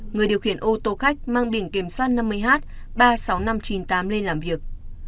người điều khiển ô tô khách mang biển kiểm soát năm mươi h ba mươi sáu nghìn năm trăm chín mươi tám lên làm việc